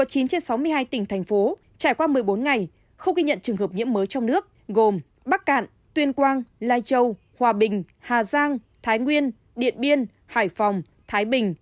trong chín trên sáu mươi hai tỉnh thành phố trải qua một mươi bốn ngày không ghi nhận trường hợp nhiễm mới trong nước gồm bắc cạn tuyên quang lai châu hòa bình hà giang thái nguyên điện biên hải phòng thái bình